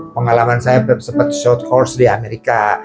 pengalaman saya sempat shot course di amerika